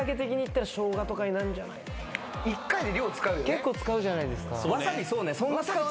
・結構使うじゃないですか。